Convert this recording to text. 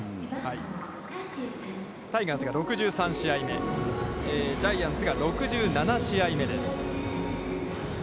タイガースが６３試合目、ジャイアンツが６７試合目です。